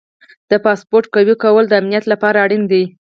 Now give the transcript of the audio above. د پاسورډ قوي کول د امنیت لپاره اړین دي.